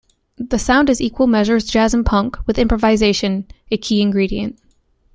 The sound is equal measures jazz and punk, with improvisation a key ingredient.